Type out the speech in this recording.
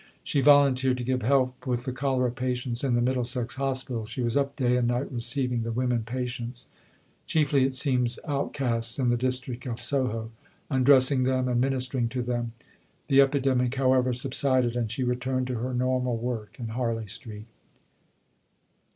She volunteered to give help with the cholera patients in the Middlesex Hospital. She was up day and night receiving the women patients chiefly, it seems, outcasts in the district of Soho undressing them, and ministering to them. The epidemic, however, subsided, and she returned to her normal work in Harley Street.